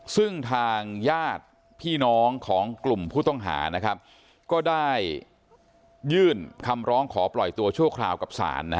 ซึ่งทางญาติพี่น้องของกลุ่มผู้ต้องหาก็ได้ยื่นคำร้องขอปล่อยตัวชั่วคราวกับศาล